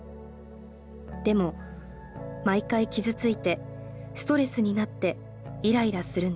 でも毎回傷ついてストレスになってイライラするんです。